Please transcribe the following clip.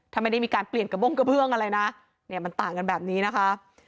ถ้าไม่ได้มีการเปลี่ยนกระบ้งกระเบื้องอะไรนะเนี่ยมันต่างกันแบบนี้นะคะ